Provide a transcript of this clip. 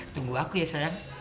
tunggu aku ya sayang